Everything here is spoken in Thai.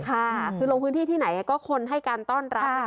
ค่ะคือลงพื้นที่ที่ไหนก็คนให้การต้อนรับ